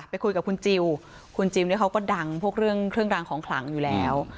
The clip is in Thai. ไปคุยกับคุณจิลคุณจิลเนี่ยเขาก็ดังพวกเรื่องเครื่องรางของขลังอยู่แล้ว